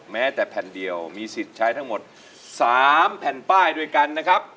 แม้แต่แผ่นเดียวมีสิทธิ์ใช้ทั้งหมด๓แผ่นป้ายด้วยกันนะครับ